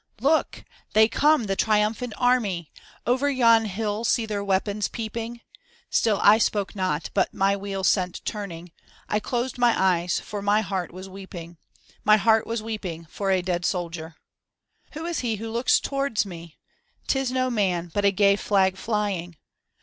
"T" OOK ! they come, the triumphant army ! JLJ Over yon hill see their weapons peeping. Still I spoke not, but my wheel sent turning; I closed my eyes, for my heart was weeping. My heart was weeping for a dead soldier. "Who is he who looks towards me?*' *Tis no man, but a gay flag flying."